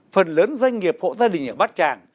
phần lớn doanh nghiệp hộ gia đình ở bát tràng